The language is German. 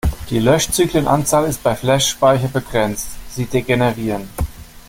Die Löschzyklenanzahl ist bei Flash-Speicher begrenzt; sie degenerieren.